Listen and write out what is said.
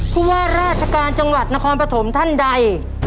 ผู้ว่าราชการจังหวัดนครปฐมท่านใด